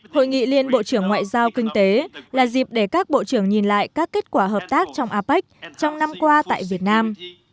hội nghị liên bộ trưởng ngoại giao kinh tế là dịp để các bộ trưởng nhìn lại các kết quả hợp tác trong apec trong năm qua tại việt nam